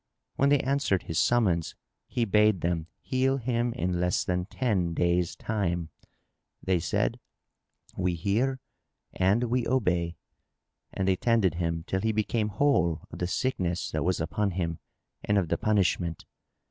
When they answered his summons, he bade them heal him in less than ten days' time: they said, "We hear and we obey," and they tended him till he became whole of the sickness that was upon him and of the punishment.